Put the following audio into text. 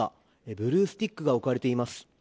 ブルースティックが置かれています。